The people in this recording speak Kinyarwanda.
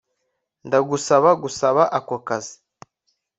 Ndagusaba gusaba ako kazi